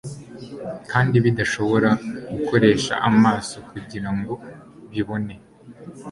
kandi bidashobora gukoresha amaso kugira ngo bibone